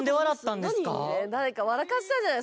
誰か笑かしたんじゃない？